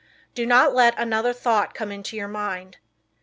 Do not let another thought come into your mind.